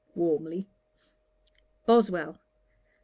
(warmly.) BOSWELL.